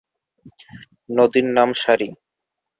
নদীর নাম সারি।